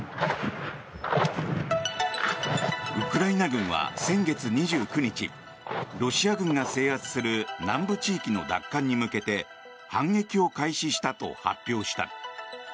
ウクライナ軍は先月２９日ロシア軍が制圧する南部地域の奪還に向けて反撃を開始したと発表した。